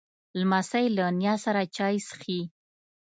لمسی له نیا سره چای څښي.